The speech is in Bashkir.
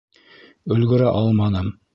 — Өлгөрә алманым.